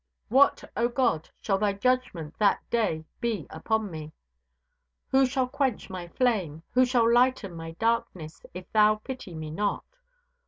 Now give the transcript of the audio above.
What, O God, shall Thy judgment that day be upon me? Who shall quench my flame, who shall lighten my darkness, if Thou pity me not?